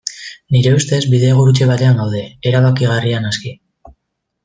Nire ustez, bidegurutze batean gaude, erabakigarria naski.